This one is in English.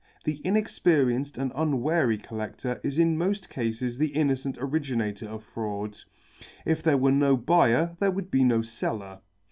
The inexperienced and unwary collector is in most cases the innocent originator of fraud; if there were no buyer there would be no seller.